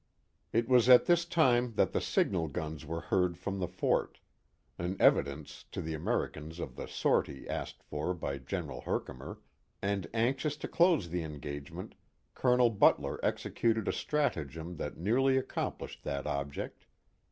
It was at thi^ time that the signal guns were heard from the fort. — an evi dence to the Americans of the sortie asked for by General Herkimer — and anxious to close the engagement Colonel Butler executed a stratagem that nearly accomplished lliat object.